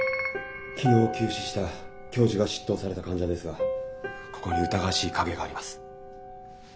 昨日急死した教授が執刀された患者ですがここに疑わしい影があります。